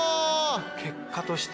結果として。